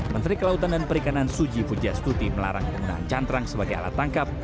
menteri kelautan dan perikanan suji pujiastuti melarang penggunaan cantrang sebagai alat tangkap